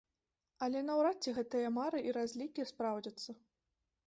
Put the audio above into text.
Але наўрад ці гэтыя мары і разлікі спраўдзяцца.